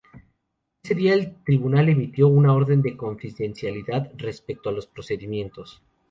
Ese día el tribunal emitió una orden de confidencialidad respecto a los procedimientos.